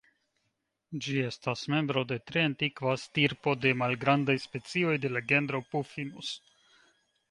Ĝi estas membro de tre antikva stirpo de malgrandaj specioj de la genro "Puffinus".